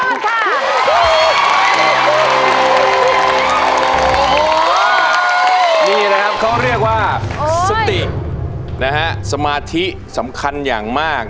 นี่นะครับเขาเรียกว่าสตินะฮะสมาธิสำคัญอย่างมาก